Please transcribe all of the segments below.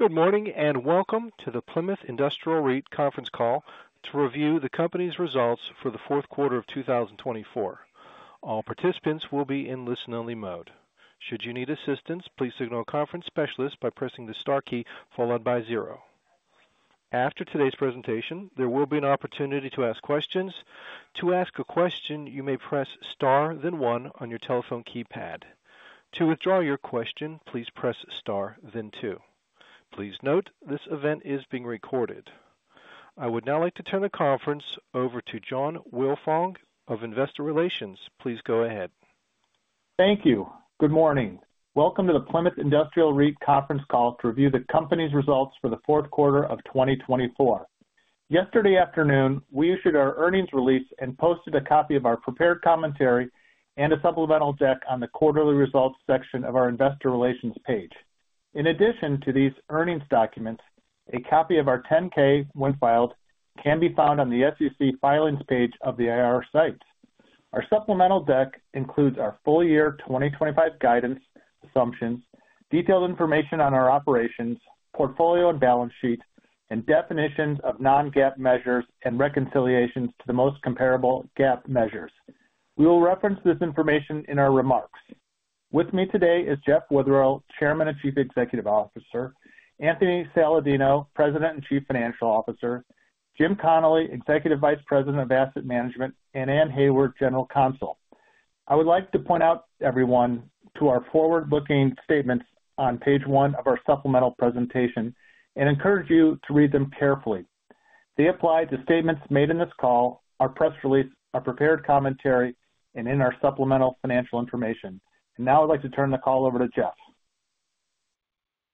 Good morning and welcome to the Plymouth Industrial REIT conference call to review the company's results for the fourth quarter of 2024. All participants will be in listen-only mode. Should you need assistance, please signal a conference specialist by pressing the star key followed by zero. After today's presentation, there will be an opportunity to ask questions. To ask a question, you may press star, then one on your telephone keypad. To withdraw your question, please press star, then two. Please note this event is being recorded. I would now like to turn the conference over to John Callan of Investor Relations. Please go ahead. Thank you. Good morning. Welcome to the Plymouth Industrial REIT conference call to review the company's results for the fourth quarter of 2024. Yesterday afternoon, we issued our earnings release and posted a copy of our prepared commentary and a supplemental deck on the quarterly results section of our Investor Relations page. In addition to these earnings documents, a copy of our 10-K, when filed, can be found on the SEC filings page of the IR site. Our supplemental deck includes our full year 2025 guidance, assumptions, detailed information on our operations, portfolio and balance sheet, and definitions of non-GAAP measures and reconciliations to the most comparable GAAP measures. We will reference this information in our remarks. With me today is Jeffrey Witherell, Chairman and Chief Executive Officer, Anthony Saladino, President and Chief Financial Officer, Jim Connolly, Executive Vice President of Asset Management, and Anne Hayward, General Counsel. I would like to point out to everyone to our forward-looking statements on page one of our supplemental presentation and encourage you to read them carefully. They apply to statements made in this call, our press release, our prepared commentary, and in our supplemental financial information. And now I'd like to turn the call over to Jeffrey.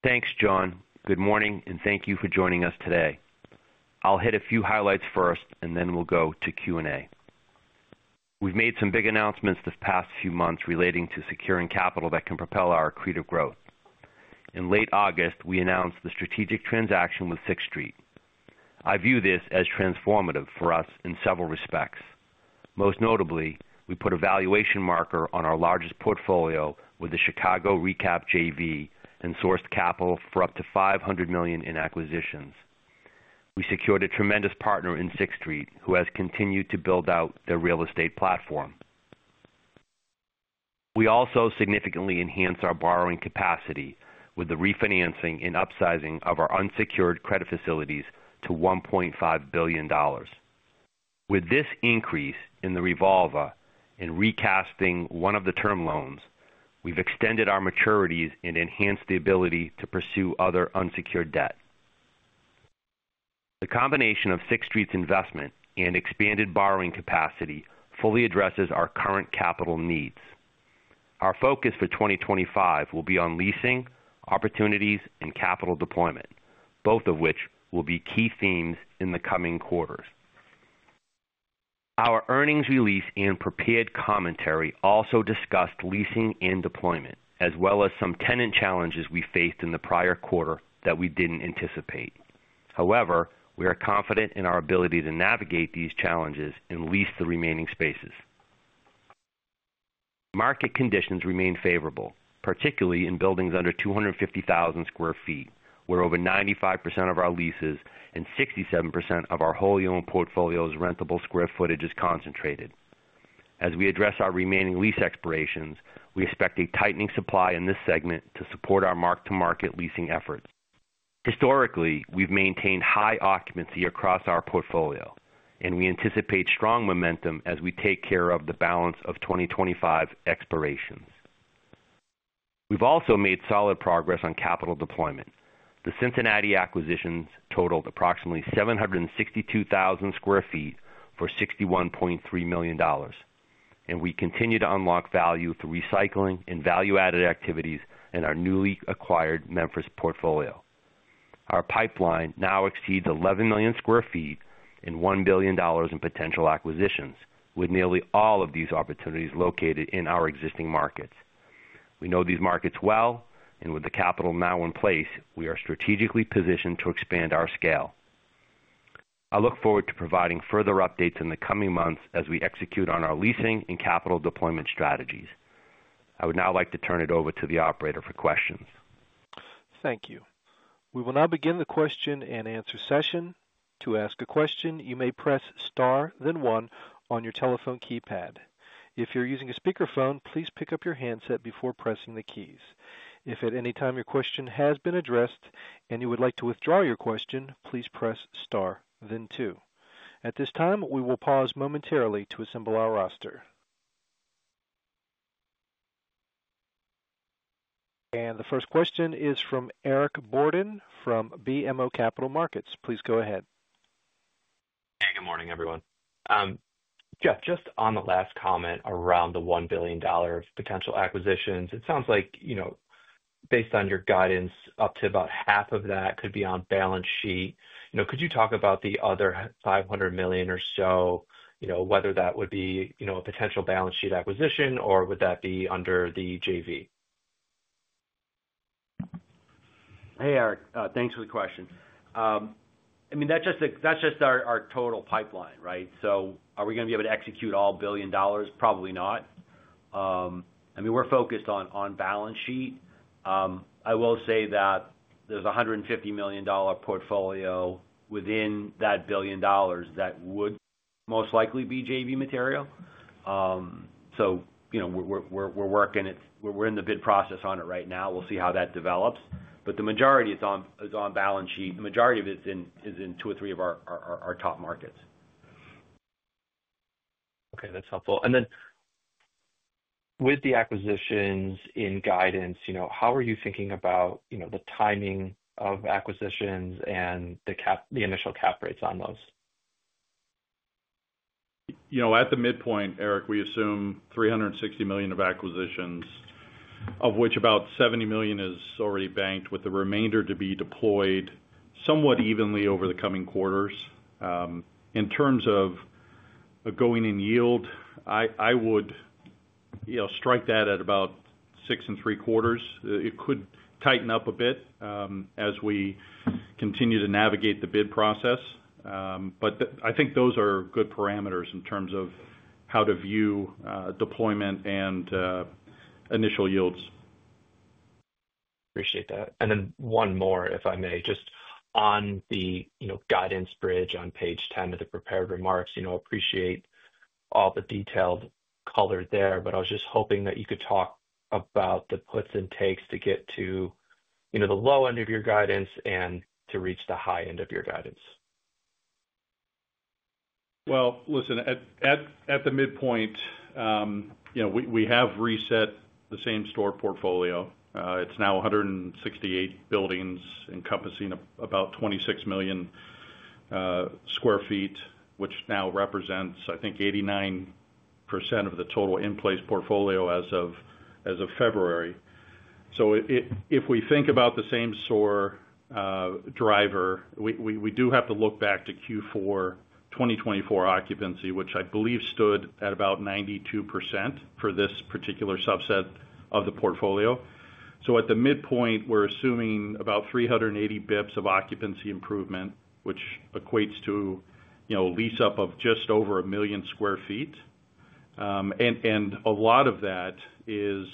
Thanks, John. Good morning and thank you for joining us today. I'll hit a few highlights first and then we'll go to Q&A. We've made some big announcements this past few months relating to securing capital that can propel our accretive growth. In late August, we announced the strategic transaction with Sixth Street. I view this as transformative for us in several respects. Most notably, we put a valuation marker on our largest portfolio with the Chicago Recap JV and sourced capital for up to $500 million in acquisitions. We secured a tremendous partner in Sixth Street, who has continued to build out their real estate platform. We also significantly enhanced our borrowing capacity with the refinancing and upsizing of our unsecured credit facilities to $1.5 billion. With this increase in the revolver and recasting one of the term loans, we've extended our maturities and enhanced the ability to pursue other unsecured debt. The combination of Sixth Street's investment and expanded borrowing capacity fully addresses our current capital needs. Our focus for 2025 will be on leasing, opportunities, and capital deployment, both of which will be key themes in the coming quarters. Our earnings release and prepared commentary also discussed leasing and deployment, as well as some tenant challenges we faced in the prior quarter that we didn't anticipate. However, we are confident in our ability to navigate these challenges and lease the remaining spaces. Market conditions remain favorable, particularly in buildings under 250,000 sq ft, where over 95% of our leases and 67% of our wholly-owned portfolio's rentable square footage is concentrated. As we address our remaining lease expirations, we expect a tightening supply in this segment to support our mark-to-market leasing efforts. Historically, we've maintained high occupancy across our portfolio, and we anticipate strong momentum as we take care of the balance of 2025 expirations. We've also made solid progress on capital deployment. The Cincinnati acquisitions totaled approximately 762,000 sq ft for $61.3 million, and we continue to unlock value through recycling and value-added activities in our newly acquired Memphis portfolio. Our pipeline now exceeds 11 million sq ft and $1 billion in potential acquisitions, with nearly all of these opportunities located in our existing markets. We know these markets well, and with the capital now in place, we are strategically positioned to expand our scale. I look forward to providing further updates in the coming months as we execute on our leasing and capital deployment strategies. I would now like to turn it over to the operator for questions. Thank you. We will now begin the question and answer session. To ask a question, you may press star, then one on your telephone keypad. If you're using a speakerphone, please pick up your handset before pressing the keys. If at any time your question has been addressed and you would like to withdraw your question, please press star, then two. At this time, we will pause momentarily to assemble our roster. The first question is from Eric Borden from BMO Capital Markets. Please go ahead. Hey, good morning, everyone. Jeffrey, just on the last comment around the $1 billion of potential acquisitions, it sounds like, based on your guidance, up to about half of that could be on balance sheet. Could you talk about the other $500 million or so, whether that would be a potential balance sheet acquisition or would that be under the JV? Hey, Eric, thanks for the question. I mean, that's just our total pipeline, right? So are we going to be able to execute all billion dollars? Probably not. I mean, we're focused on balance sheet. I will say that there's a $150 million portfolio within that billion dollars that would most likely be JV material. So we're working it. We're in the bid process on it right now. We'll see how that develops. But the majority is on balance sheet. The majority of it is in two or three of our top markets. Okay, that's helpful. And then with the acquisitions in guidance, how are you thinking about the timing of acquisitions and the initial cap rates on those? At the midpoint, Eric, we assume $360 million of acquisitions, of which about $70 million is already banked, with the remainder to be deployed somewhat evenly over the coming quarters. In terms of a going in yield, I would strike that at about 6.75%. It could tighten up a bit as we continue to navigate the bid process. But I think those are good parameters in terms of how to view deployment and initial yields. Appreciate that. And then one more, if I may, just on the guidance bridge on page 10 of the prepared remarks. I appreciate all the detail colored there, but I was just hoping that you could talk about the puts and takes to get to the low end of your guidance and to reach the high end of your guidance. Listen, at the midpoint, we have reset the same store portfolio. It's now 168 buildings, encompassing about 26 million sq ft, which now represents, I think, 89% of the total in-place portfolio as of February. So if we think about the same store driver, we do have to look back to Q4 2024 occupancy, which I believe stood at about 92% for this particular subset of the portfolio. So at the midpoint, we're assuming about 380 basis points of occupancy improvement, which equates to a lease-up of just over a million sq ft. And a lot of that is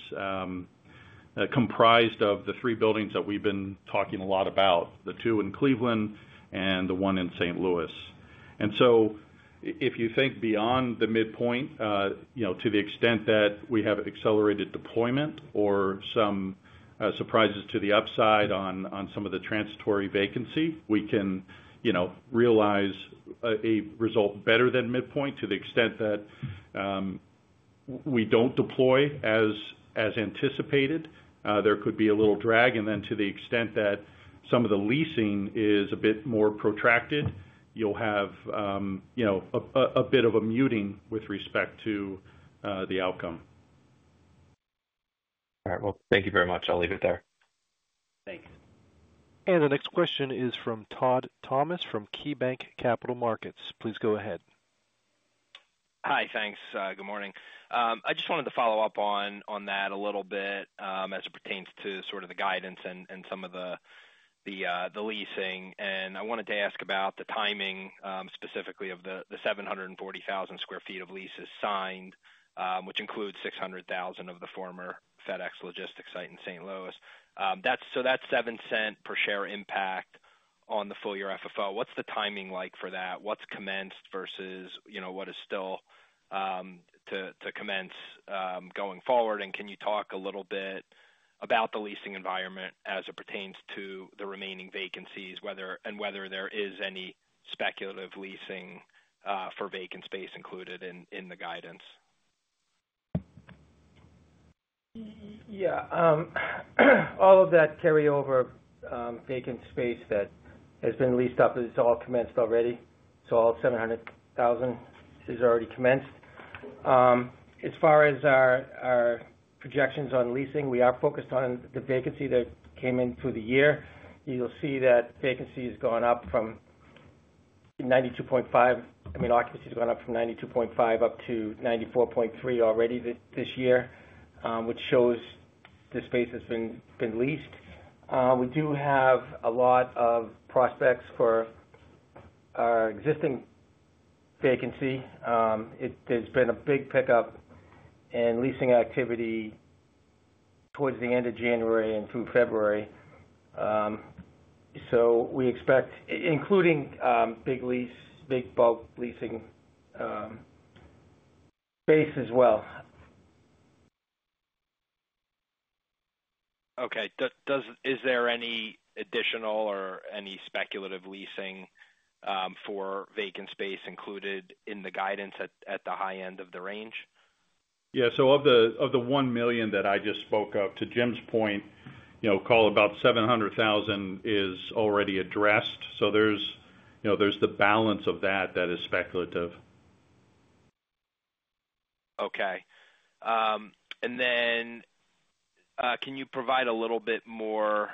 comprised of the three buildings that we've been talking a lot about, the two in Cleveland and the one in St. Louis. And so if you think beyond the midpoint, to the extent that we have accelerated deployment or some surprises to the upside on some of the transitory vacancy, we can realize a result better than midpoint to the extent that we don't deploy as anticipated. There could be a little drag. And then to the extent that some of the leasing is a bit more protracted, you'll have a bit of a muting with respect to the outcome. All right. Well, thank you very much. I'll leave it there. Thanks. And the next question is from Todd Thomas from KeyBank Capital Markets. Please go ahead. Hi, thanks. Good morning. I just wanted to follow up on that a little bit as it pertains to sort of the guidance and some of the leasing. And I wanted to ask about the timing specifically of the 740,000 sq ft of leases signed, which includes 600,000 of the former FedEx Logistics site in St. Louis. So that's $0.07 per share impact on the full year FFO. What's the timing like for that? What's commenced versus what is still to commence going forward? And can you talk a little bit about the leasing environment as it pertains to the remaining vacancies and whether there is any speculative leasing for vacant space included in the guidance? Yeah. All of that carryover vacant space that has been leased up is all commenced already. So all 700,000 is already commenced. As far as our projections on leasing, we are focused on the vacancy that came in through the year. You'll see that vacancy has gone up from 92.5. I mean, occupancy has gone up from 92.5 up to 94.3 already this year, which shows the space has been leased. We do have a lot of prospects for our existing vacancy. There's been a big pickup in leasing activity towards the end of January and through February. So we expect, including big lease, big bulk leasing space as well. Okay. Is there any additional or any speculative leasing for vacant space included in the guidance at the high end of the range? Yeah. So of the one million that I just spoke of, to Jim's point, call about 700,000 is already addressed. So there's the balance of that that is speculative. Okay. And then can you provide a little bit more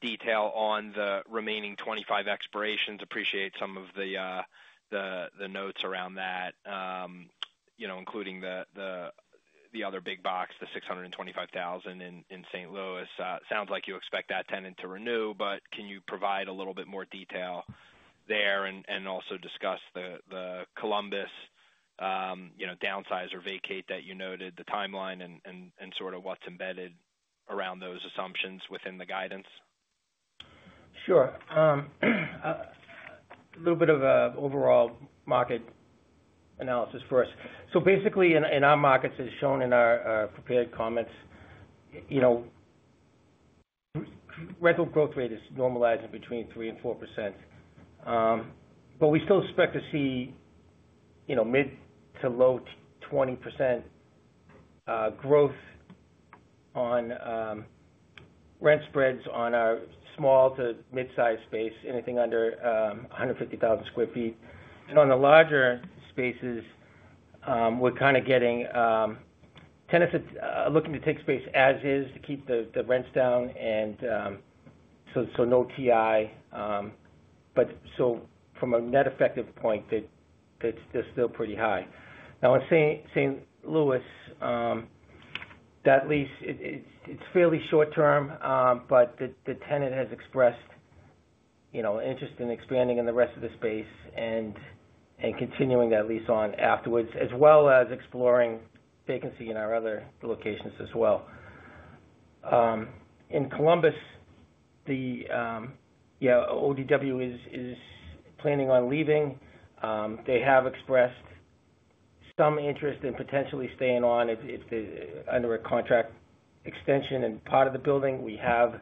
detail on the remaining 25 expirations? Appreciate some of the notes around that, including the other big box, the 625,000 in St. Louis. Sounds like you expect that tenant to renew, but can you provide a little bit more detail there and also discuss the Columbus downsize or vacate that you noted, the timeline and sort of what's embedded around those assumptions within the guidance? Sure. A little bit of an overall market analysis for us. So basically, in our markets, as shown in our prepared comments, rental growth rate is normalizing between 3%-4%. But we still expect to see mid- to low-20% growth on rent spreads on our small- to mid-sized space, anything under 150,000 sq ft. And on the larger spaces, we're kind of getting tenants looking to take space as is to keep the rents down, and so no TI. But so from a net effective rent point, they're still pretty high. Now, in St. Louis, that lease, it's fairly short-term, but the tenant has expressed interest in expanding in the rest of the space and continuing that lease on afterwards, as well as exploring vacancy in our other locations as well. In Columbus, the ODW is planning on leaving. They have expressed some interest in potentially staying on under a contract extension and part of the building. We have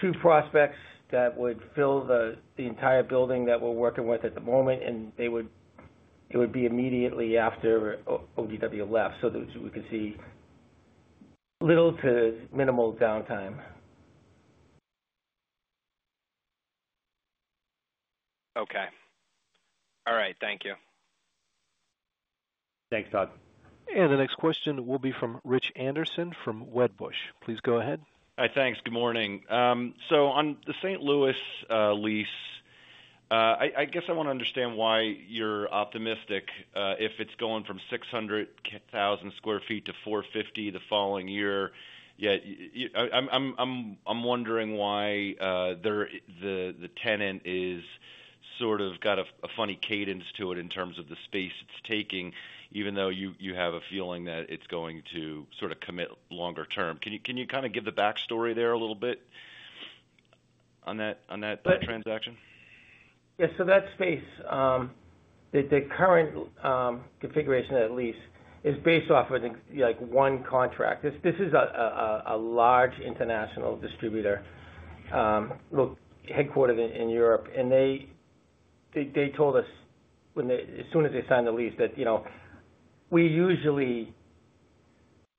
two prospects that would fill the entire building that we're working with at the moment, and it would be immediately after ODW left, so we could see little to minimal downtime. Okay. All right. Thank you. Thanks, Todd. The next question will be from Rich Anderson from Wedbush. Please go ahead. All right. Thanks. Good morning. So on the St. Louis lease, I guess I want to understand why you're optimistic if it's going from 600,000 sq ft to 450 the following year. I'm wondering why the tenant has sort of got a funny cadence to it in terms of the space it's taking, even though you have a feeling that it's going to sort of commit longer term. Can you kind of give the backstory there a little bit on that transaction? Yeah. So that space, the current configuration of that lease is based off of one contract. This is a large international distributor, headquartered in Europe. And they told us as soon as they signed the lease that we usually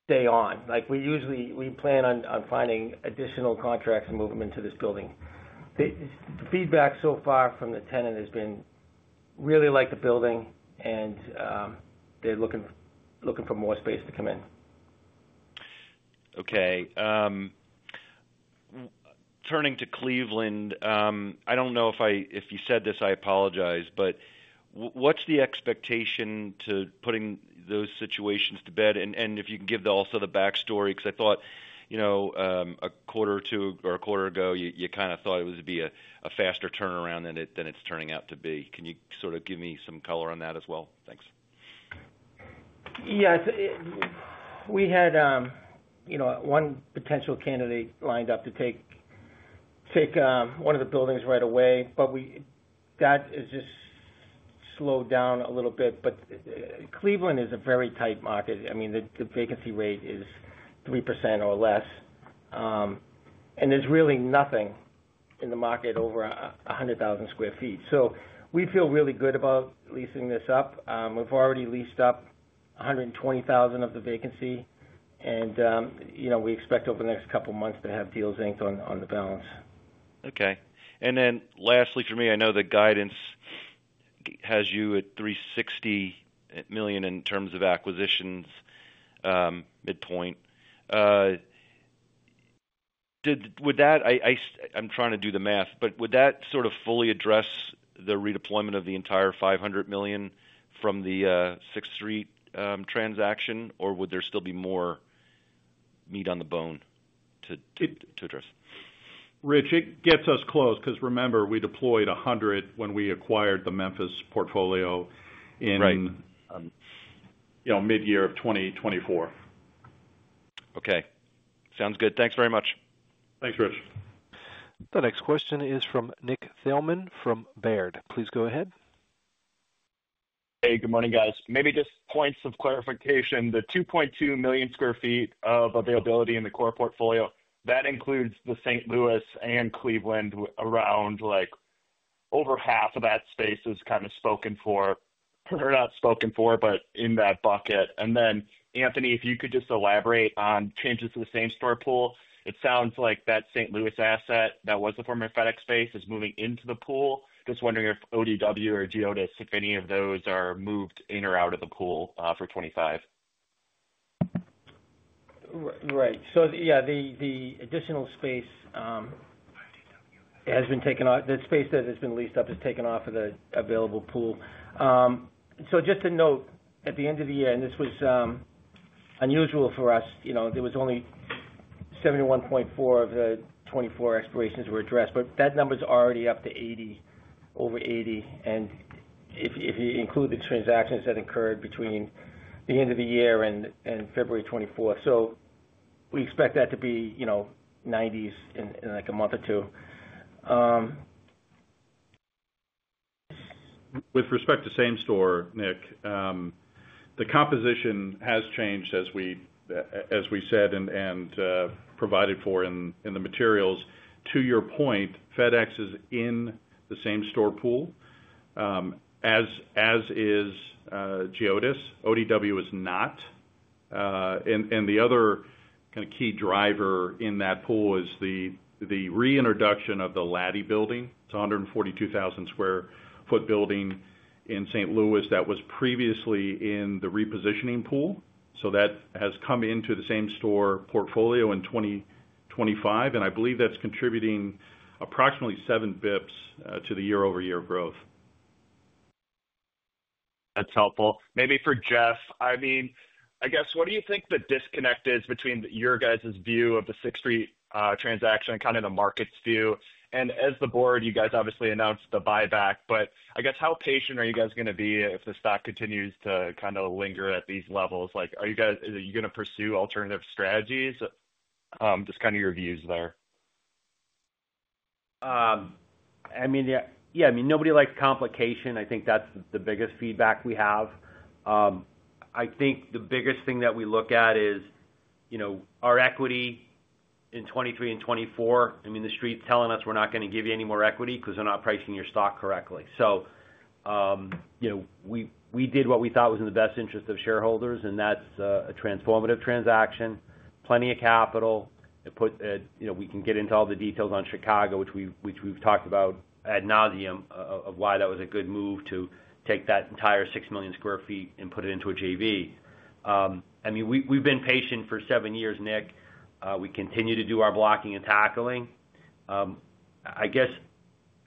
stay on. We plan on finding additional contracts and moving them into this building. The feedback so far from the tenant has been that they really like the building, and they're looking for more space to come in. Okay. Turning to Cleveland, I don't know if you said this, I apologize, but what's the expectation to putting those situations to bed? And if you can give also the backstory, because I thought a quarter or two or a quarter ago, you kind of thought it would be a faster turnaround than it's turning out to be. Can you sort of give me some color on that as well? Thanks. Yeah. We had one potential candidate lined up to take one of the buildings right away, but that has just slowed down a little bit, but Cleveland is a very tight market. I mean, the vacancy rate is 3% or less, and there's really nothing in the market over 100,000 sq ft. So we feel really good about leasing this up. We've already leased up 120,000 of the vacancy, and we expect over the next couple of months to have deals inked on the balance. Okay. And then lastly for me, I know the guidance has you at $360 million in terms of acquisitions midpoint. I'm trying to do the math, but would that sort of fully address the redeployment of the entire $500 million from the Sixth Street transaction, or would there still be more meat on the bone to address? Rich, it gets us close because remember, we deployed 100 when we acquired the Memphis portfolio in mid-year of 2024. Okay. Sounds good. Thanks very much. Thanks, Rich. The next question is from Nicholas Thillman from Baird. Please go ahead. Hey, good morning, guys. Maybe just points of clarification. The 2.2 million sq ft of availability in the core portfolio, that includes the St. Louis and Cleveland. Around over half of that space is kind of spoken for or not spoken for, but in that bucket. And then, Anthony, if you could just elaborate on changes to the same store pool. It sounds like that St. Louis asset that was the former FedEx space is moving into the pool. Just wondering if ODW or Geodis, if any of those are moved in or out of the pool for 2025? Right. So yeah, the additional space has been taken off. The space that has been leased up has taken off of the available pool. So just to note, at the end of the year, and this was unusual for us, there was only 71.4% of the 24 expirations were addressed, but that number's already up to over 80%. And if you include the transactions that occurred between the end of the year and February 24th, so we expect that to be 90s% in like a month or two. With respect to same store, Nick, the composition has changed, as we said and provided for in the materials. To your point, FedEx is in the same store pool, as is Geodis. ODW is not. And the other kind of key driver in that pool is the reintroduction of the Lattie building. It's a 142,000 sq ft building in St. Louis that was previously in the repositioning pool. So that has come into the same store portfolio in 2025, and I believe that's contributing approximately 7 basis points to the year-over-year growth. That's helpful. Maybe for Jeffrey, I mean, I guess, what do you think the disconnect is between your guys' view of the Sixth Street transaction and kind of the market's view? And as the board, you guys obviously announced the buyback, but I guess, how patient are you guys going to be if the stock continues to kind of linger at these levels? Are you going to pursue alternative strategies? Just kind of your views there. I mean, yeah, I mean, nobody likes complication. I think that's the biggest feedback we have. I think the biggest thing that we look at is our equity in 2023 and 2024. I mean, the street's telling us we're not going to give you any more equity because they're not pricing your stock correctly. So we did what we thought was in the best interest of shareholders, and that's a transformative transaction, plenty of capital. We can get into all the details on Chicago, which we've talked about ad nauseam of why that was a good move to take that entire 6 million sq ft and put it into a JV. I mean, we've been patient for seven years, Nicholas.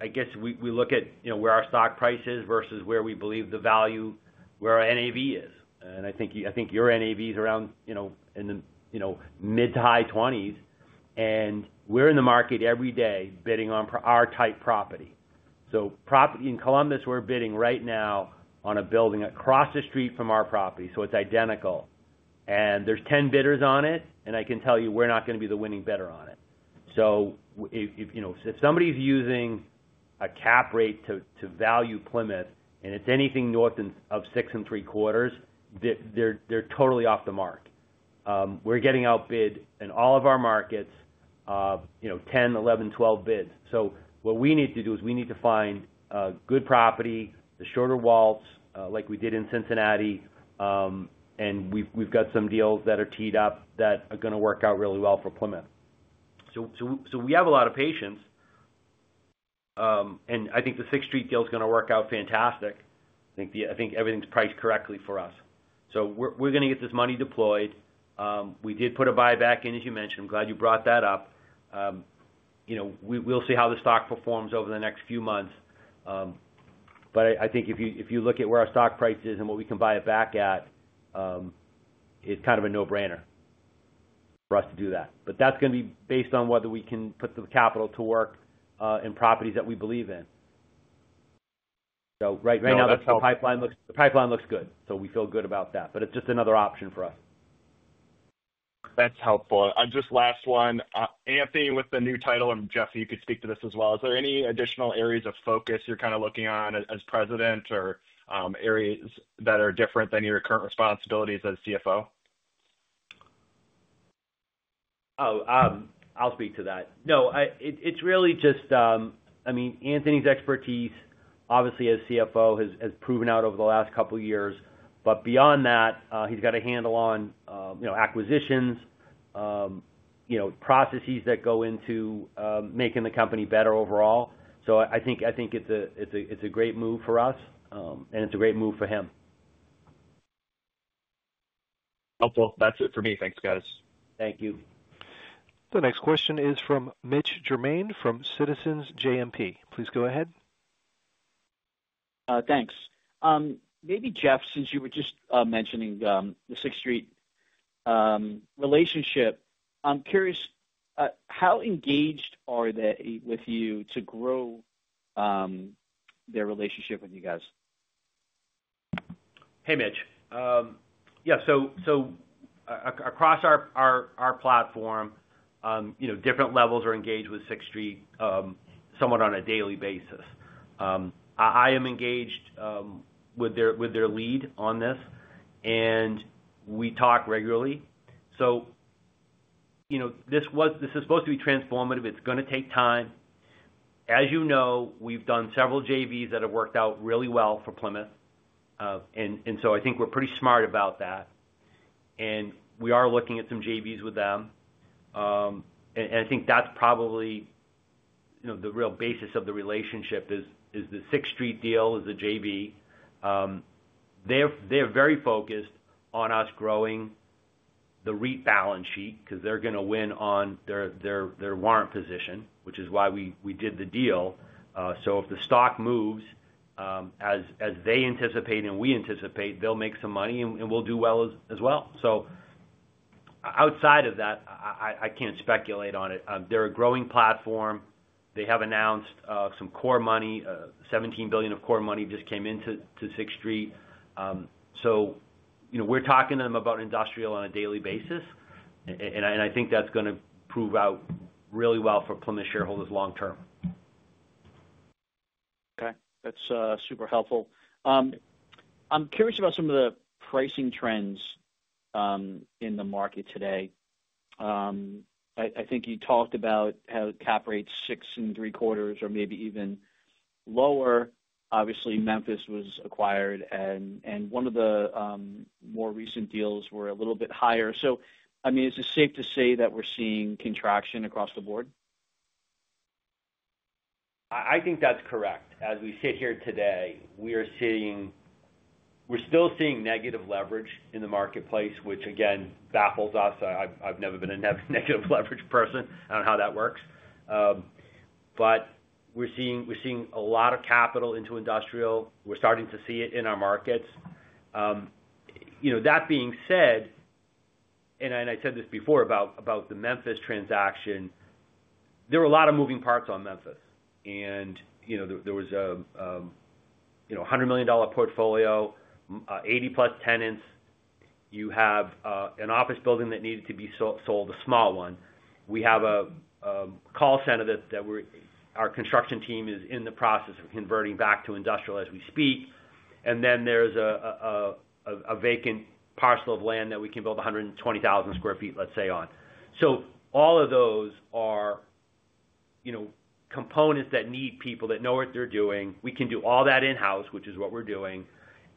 I guess we look at where our stock price is versus where we believe the value, where our NAV is. I think your NAV is around in the mid to high 20s. We're in the market every day bidding on our type property. Property in Columbus, we're bidding right now on a building across the street from our property. It's identical. There's 10 bidders on it, and I can tell you we're not going to be the winning bidder on it. If somebody's using a cap rate to value Plymouth and it's anything north of 6.75%, they're totally off the mark. We're getting outbid in all of our markets, 10, 11, 12 bids. What we need to do is we need to find a good property, the shorter walls, like we did in Cincinnati. We've got some deals that are teed up that are going to work out really well for Plymouth. We have a lot of patience. And I think the Sixth Street deal is going to work out fantastic. I think everything's priced correctly for us. So we're going to get this money deployed. We did put a buyback in, as you mentioned. I'm glad you brought that up. We'll see how the stock performs over the next few months. But I think if you look at where our stock price is and what we can buy it back at, it's kind of a no-brainer for us to do that. But that's going to be based on whether we can put the capital to work in properties that we believe in. So right now, the pipeline looks good. So we feel good about that. But it's just another option for us. That's helpful. Just last one. Anthony, with the new title, Jeffrey, you could speak to this as well. Is there any additional areas of focus you're kind of looking on as president or areas that are different than your current responsibilities as CFO? Oh, I'll speak to that. No, it's really just, I mean, Anthony's expertise, obviously, as CFO has proven out over the last couple of years. But beyond that, he's got a handle on acquisitions, processes that go into making the company better overall. So I think it's a great move for us, and it's a great move for him. Helpful. That's it for me. Thanks, guys. Thank you. The next question is from Mitch Germain from Citizens JMP. Please go ahead. Thanks. Maybe, Jeffrey, since you were just mentioning the Sixth Street relationship, I'm curious, how engaged are they with you to grow their relationship with you guys? Hey, Mitch. Yeah. So across our platform, different levels are engaged with Sixth Street somewhat on a daily basis. I am engaged with their lead on this, and we talk regularly. So this is supposed to be transformative. It's going to take time. As you know, we've done several JVs that have worked out really well for Plymouth. And so I think we're pretty smart about that. And we are looking at some JVs with them. And I think that's probably the real basis of the relationship is the Sixth Street deal is the JV. They're very focused on us growing the REIT balance sheet because they're going to win on their warrant position, which is why we did the deal. So if the stock moves as they anticipate and we anticipate, they'll make some money, and we'll do well as well. So outside of that, I can't speculate on it. They're a growing platform. They have announced some core money. $17 billion of core money just came into Sixth Street. So we're talking to them about industrial on a daily basis. And I think that's going to prove out really well for Plymouth shareholders long term. Okay. That's super helpful. I'm curious about some of the pricing trends in the market today. I think you talked about how cap rate's 6.75% or maybe even lower. Obviously, Memphis was acquired, and one of the more recent deals were a little bit higher. So I mean, is it safe to say that we're seeing contraction across the board? I think that's correct. As we sit here today, we're still seeing negative leverage in the marketplace, which, again, baffles us. I've never been a negative leverage person. I don't know how that works. But we're seeing a lot of capital into industrial. We're starting to see it in our markets. That being said, and I said this before about the Memphis transaction, there were a lot of moving parts on Memphis. And there was a $100 million portfolio, 80-plus tenants. You have an office building that needed to be sold, a small one. We have a call center that our construction team is in the process of converting back to industrial as we speak. And then there's a vacant parcel of land that we can build 120,000 sq ft, let's say, on. So all of those are components that need people that know what they're doing. We can do all that in-house, which is what we're doing.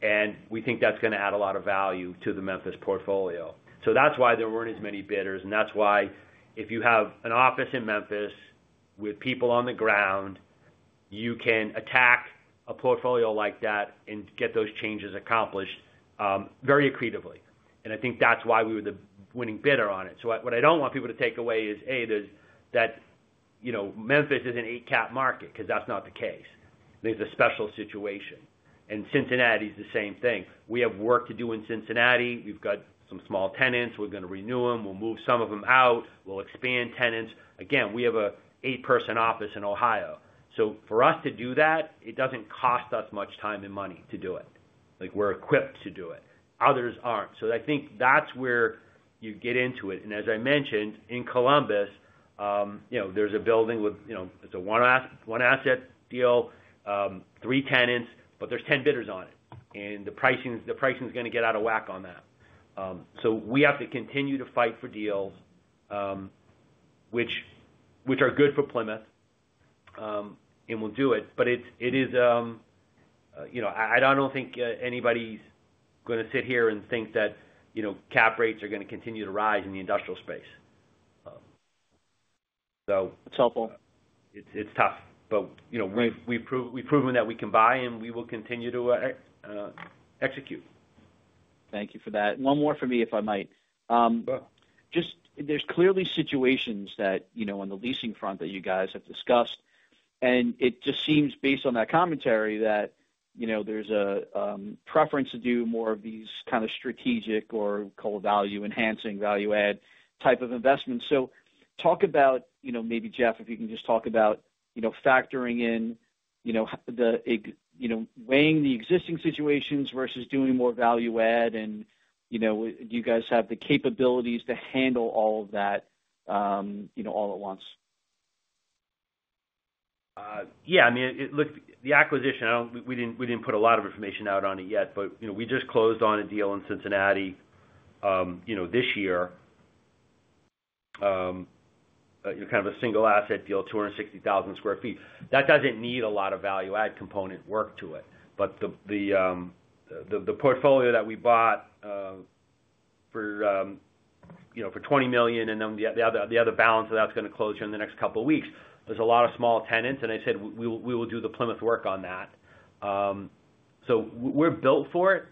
And we think that's going to add a lot of value to the Memphis portfolio. So that's why there weren't as many bidders. And that's why if you have an office in Memphis with people on the ground, you can attack a portfolio like that and get those changes accomplished very accretively. And I think that's why we were the winning bidder on it. So what I don't want people to take away is, hey, that Memphis is an eight-cap market because that's not the case. There's a special situation. And Cincinnati is the same thing. We have work to do in Cincinnati. We've got some small tenants. We're going to renew them. We'll move some of them out. We'll expand tenants. Again, we have an eight-person office in Ohio. So for us to do that, it doesn't cost us much time and money to do it. We're equipped to do it. Others aren't. I think that's where you get into it. As I mentioned, in Columbus, there's a building with, it's a one-asset deal, three tenants, but there's ten bidders on it. The pricing's going to get out of whack on that. We have to continue to fight for deals, which are good for Plymouth, and we'll do it. It is, I don't think anybody's going to sit here and think that cap rates are going to continue to rise in the industrial space. That's helpful. It's tough. But we've proven that we can buy, and we will continue to execute. Thank you for that. One more for me, if I might. There's clearly situations on the leasing front that you guys have discussed. And it just seems, based on that commentary, that there's a preference to do more of these kind of strategic or value-enhancing, value-add type of investments. So talk about maybe, Jeffrey, if you can just talk about factoring in the weighing the existing situations versus doing more value-add. And do you guys have the capabilities to handle all of that all at once? Yeah. I mean, look, the acquisition, we didn't put a lot of information out on it yet, but we just closed on a deal in Cincinnati this year, kind of a single-asset deal, 260,000 sq ft. That doesn't need a lot of value-add component work to it. But the portfolio that we bought for $20 million and then the other balance of that's going to close here in the next couple of weeks, there's a lot of small tenants. And I said we will do the Plymouth work on that. So we're built for it.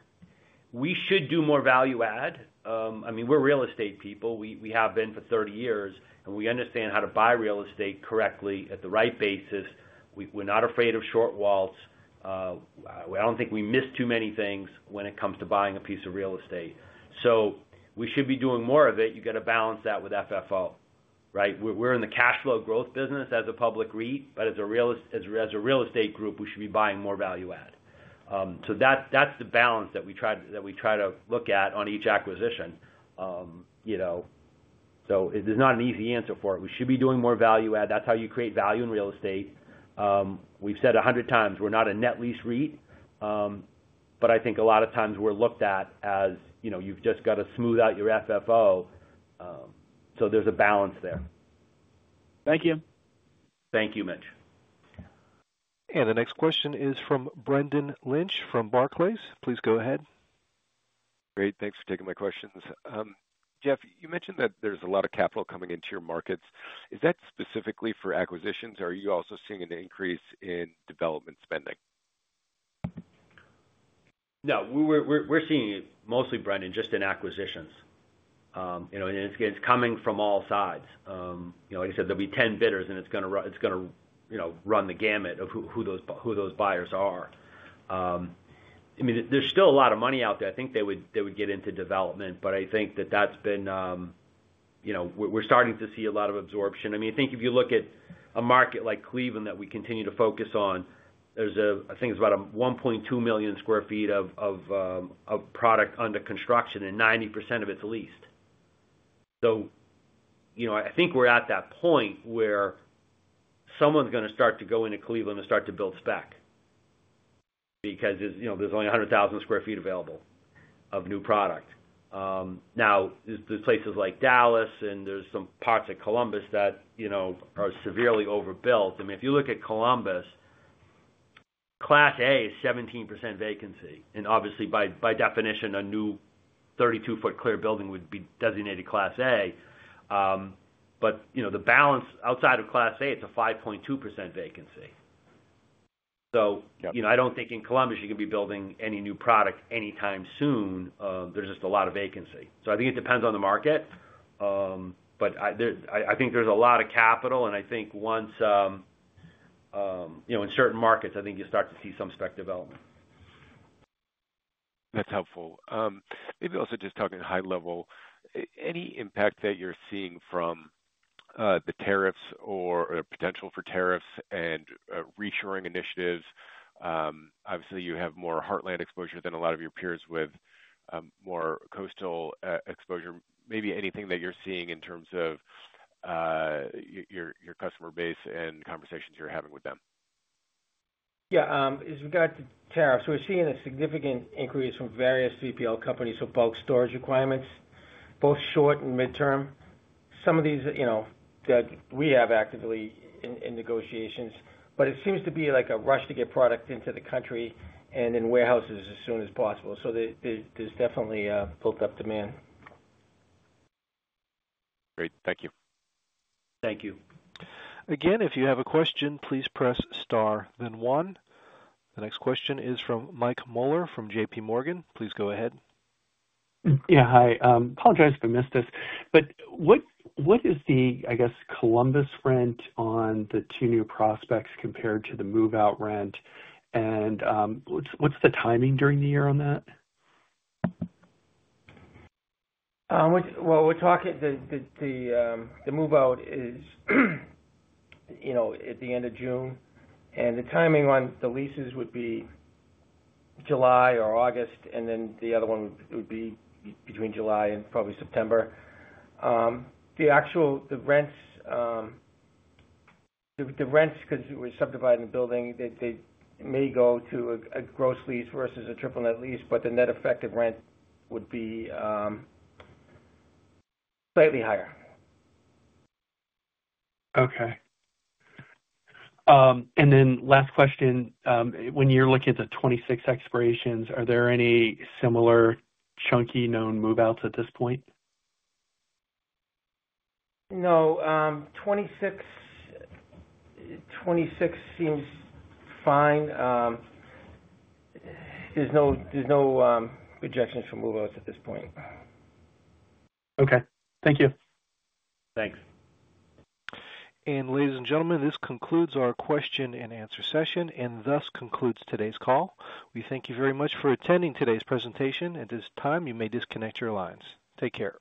We should do more value-add. I mean, we're real estate people. We have been for 30 years, and we understand how to buy real estate correctly at the right basis. We're not afraid of shortfalls. I don't think we miss too many things when it comes to buying a piece of real estate. So we should be doing more of it. You got to balance that with FFO, right? We're in the cash flow growth business as a public REIT. But as a real estate group, we should be buying more value-add. So that's the balance that we try to look at on each acquisition. So there's not an easy answer for it. We should be doing more value-add. That's how you create value in real estate. We've said 100x we're not a net lease REIT. But I think a lot of times we're looked at as you've just got to smooth out your FFO. So there's a balance there. Thank you. Thank you, Mitch. The next question is from Brendan Lynch from Barclays. Please go ahead. Great. Thanks for taking my questions. Jeff, you mentioned that there's a lot of capital coming into your markets. Is that specifically for acquisitions, or are you also seeing an increase in development spending? No. We're seeing it mostly, Brendan, just in acquisitions and it's coming from all sides. Like I said, there'll be 10 bidders, and it's going to run the gamut of who those buyers are. I mean, there's still a lot of money out there. I think they would get into development. But I think that's where we're starting to see a lot of absorption. I mean, I think if you look at a market like Cleveland that we continue to focus on, there's, I think, about 1.2 million sq ft of product under construction, and 90% of it's leased. So I think we're at that point where someone's going to start to go into Cleveland and start to build spec because there's only 100,000 sq ft available of new product. Now, there's places like Dallas, and there's some parts of Columbus that are severely overbuilt. I mean, if you look at Columbus, Class A is 17% vacancy, and obviously, by definition, a new 32-foot clear building would be designated Class A, but the balance outside of Class A, it's a 5.2% vacancy, so I don't think in Columbus you're going to be building any new product anytime soon, there's just a lot of vacancy, so I think it depends on the market, but I think there's a lot of capital, and I think once in certain markets, I think you start to see some spec development. That's helpful. Maybe also just talking high level, any impact that you're seeing from the tariffs or potential for tariffs and reshoring initiatives? Obviously, you have more Heartland exposure than a lot of your peers with more coastal exposure. Maybe anything that you're seeing in terms of your customer base and conversations you're having with them? Yeah. As we got to tariffs, we're seeing a significant increase from various 3PL companies for bulk storage requirements, both short and midterm. Some of these that we have actively in negotiations. But it seems to be like a rush to get product into the country and in warehouses as soon as possible. So there's definitely built-up demand. Great. Thank you. Thank you. Again, if you have a question, please press star, then one. The next question is from Michael Mueller from J.P. Morgan. Please go ahead. Yeah. Hi. Apologize if I missed this. But what is the, I guess, Columbus rent on the two new prospects compared to the move-out rent? And what's the timing during the year on that? We're talking the move-out is at the end of June. And the timing on the leases would be July or August. And then the other one would be between July and probably September. The actual rents, because we're subdividing the building, they may go to a gross lease versus a triple-net lease. But the net effective rent would be slightly higher. Okay. And then last question. When you're looking at the 26 expirations, are there any similar chunky known move-outs at this point? No. 26 seems fine. There's no objections from move-outs at this point. Okay. Thank you. Thanks. Ladies and gentlemen, this concludes our question-and-answer session and thus concludes today's call. We thank you very much for attending today's presentation. At this time, you may disconnect your lines. Take care.